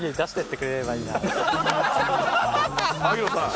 萩野さん。